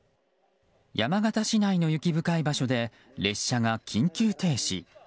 山形市内の雪深い場所で列車が緊急停止。